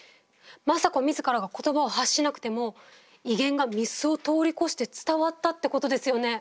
政子自らが言葉を発しなくても威厳が御簾を通り越して伝わったってことですよね。